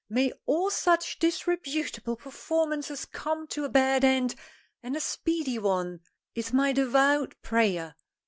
"May all such disreputable performances come to a bad end, and a speedy one, is my devout prayer.